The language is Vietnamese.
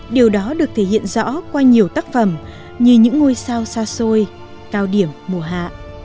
điều đó được thể hiện rõ qua nhiều tác phẩm như những ngôi sao xa xôi cao điểm mùa hạ